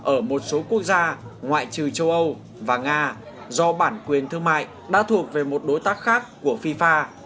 ở một số quốc gia ngoại trừ châu âu và nga do bản quyền thương mại đã thuộc về một đối tác khác của fifa